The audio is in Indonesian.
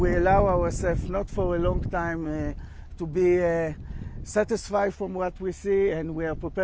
kita tidak bisa mencoba untuk lama untuk mencapai kekuasaan yang kita lihat